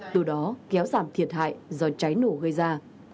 từ đó kéo giảm thiệt hại do cháy nổ gây ra